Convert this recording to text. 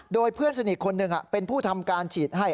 โดยเพื่อนสนิทคนหนึ่งเป็นผู้ทำการฉีดให้